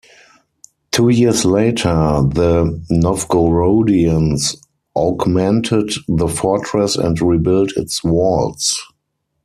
Two years later, the Novgorodians augmented the fortress and rebuilt its walls.